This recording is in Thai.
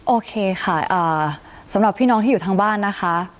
โอเคค่ะสำหรับพี่น้องที่อยู่ทางบ้านนะคะ